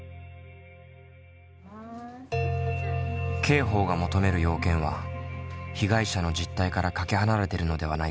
刑法が求める要件は被害者の実態からかけ離れてるのではないか。